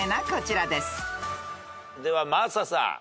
では真麻さん。